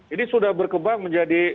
ini sudah berkembang menjadi